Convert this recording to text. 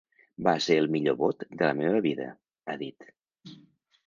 Va ser el millor vot de la meva vida, ha dit.